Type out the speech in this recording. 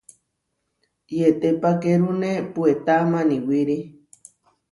Yetepakérune puetá maniwíri.